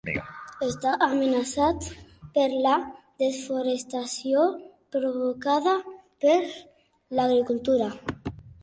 Està amenaçat per la desforestació provocada per l'agricultura.